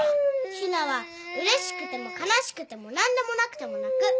陽菜はうれしくても悲しくても何でもなくても泣く。